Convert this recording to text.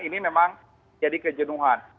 ini memang jadi kejenuhan